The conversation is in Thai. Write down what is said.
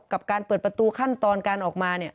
กับการเปิดประตูขั้นตอนการออกมาเนี่ย